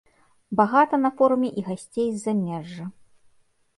Багата на форуме і гасцей з замежжа.